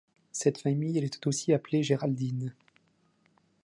Cette famille est aussi appelée Géraldine.